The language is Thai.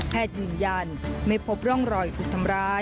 ยืนยันไม่พบร่องรอยถูกทำร้าย